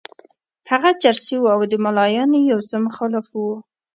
هغه چرسي وو او د ملایانو یو څه مخالف وو.